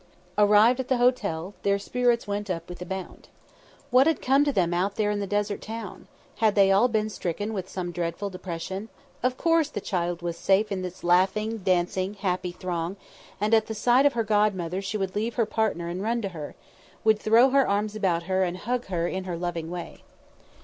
Arrived at the hotel, their spirits went up with a bound. What had come to them out there in the desert town? Had they all been stricken with some dreadful depression? Of course the child was safe in this laughing, dancing, happy throng, and at the sight of her god mother she would leave her partner and run to her; would throw her arms about her, and hug her in her loving way.